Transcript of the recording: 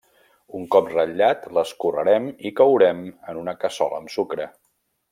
Un cop ratllat, l'escorrerem i courem en una cassola amb el sucre.